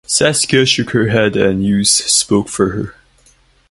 Saskia shook her head and Hughes spoke for her.